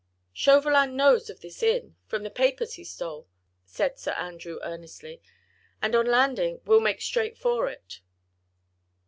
"Chauvelin knows of this inn, from the papers he stole," said Sir Andrew, earnestly, "and on landing will make straight for it."